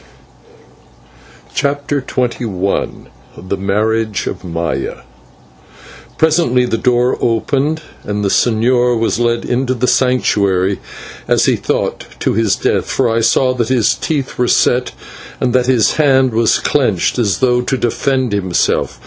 CHAPTER XXI THE MARRIAGE OF MAYA Presently the door opened and the señor was led into the Sanctuary, as he thought to his death, for I saw that his teeth were set and that his hand was clenched as though to defend himself.